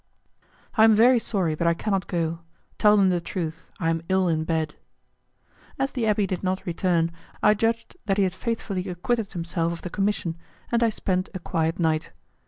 "I am very sorry, but I cannot go; tell them the truth; I am ill in bed." As the abbé did not return, I judged that he had faithfully acquitted himself of the commission, and I spent a quiet night.